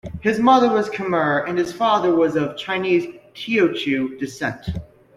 His mother was Khmer and his father was of Chinese Teochew descent.